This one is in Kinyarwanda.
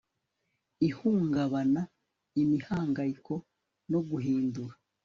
ihungabana imihangayiko no guhindura